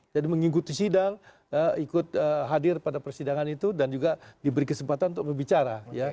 jadi mengikut sidang ikut hadir pada persidangan itu dan juga diberi kesempatan untuk membicara ya